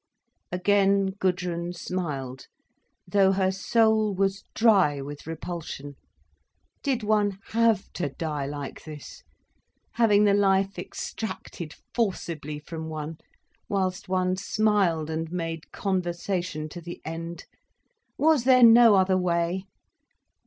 Again Gudrun smiled, though her soul was dry with repulsion. Did one have to die like this—having the life extracted forcibly from one, whilst one smiled and made conversation to the end? Was there no other way?